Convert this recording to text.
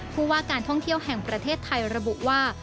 ผู้ว่าการท่องเที่ยวแห่งประเทศไทยระบุว่า